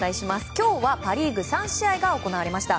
今日はパ・リーグ３試合が行われました。